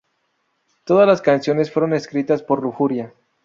Todas las canciones fueron escritas por Lujuria.